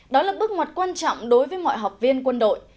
đó là bước ngoặt quan trọng đối với mọi học viên quân đội